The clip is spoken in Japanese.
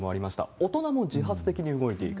大人も自発的に動いていく。